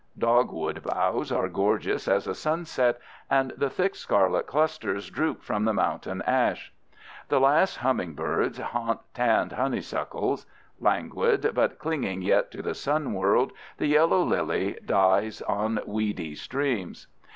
Dogwood boughs are gorgeous as a sunset, and the thick scarlet clusters droop from the mountain ash. The last humming birds haunt tanned honeysuckles. Languid, but clinging yet to the sun world, the yellow lily dies on weedy streams.